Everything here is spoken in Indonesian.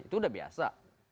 itu udah biasa